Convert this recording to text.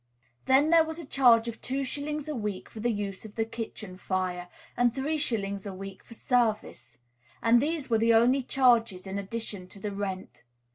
Then there was a charge of two shillings a week for the use of the kitchen fire, and three shillings a week for service; and these were the only charges in addition to the rent.